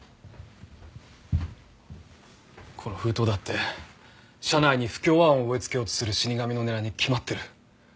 この封筒だって社内に不協和音を植え付けようとする死神の狙いに決まってる。